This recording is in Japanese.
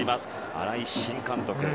新井新監督。